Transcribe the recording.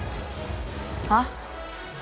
はっ？